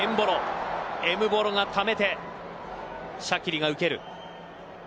エムボロがためてシャキリが受ける。